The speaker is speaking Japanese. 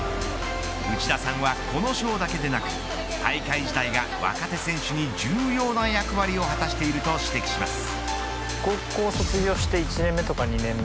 内田さんは、この賞だけでなく大会自体が若手選手に重要な役割を果たしていると指摘します。